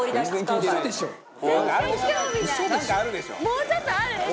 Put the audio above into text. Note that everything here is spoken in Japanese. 「もうちょっとあるでしょ」